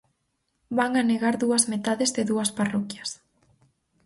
Van anegar dúas metades de dúas parroquias.